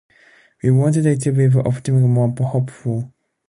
We wanted it to be optimistic, more hopeful.